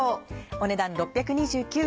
お値段６２９円。